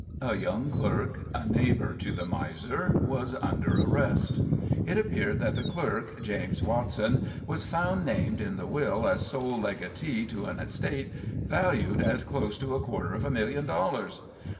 A young clerk, a neighbour to the miser, was under arrest. It appeared that the clerk, James Watson, was found named in the will as sole legatee to an estate valued at close to a quarter of a million dollars.